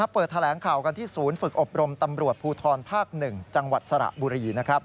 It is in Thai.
เปิดแถลงข่าวกันที่ศูนย์ฝึกอบรมตำรวจภูทรภาค๑จังหวัดสระบุรี